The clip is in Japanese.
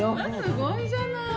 すごいじゃない。